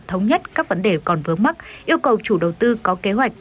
thống nhất các vấn đề còn vướng mắc yêu cầu chủ đầu tư có kế hoạch